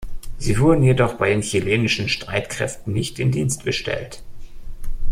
Sie wurden jedoch bei den chilenischen Streitkräften nicht in Dienst gestellt.